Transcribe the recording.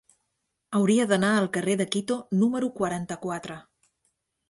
Hauria d'anar al carrer de Quito número quaranta-quatre.